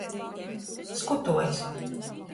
Skutojs.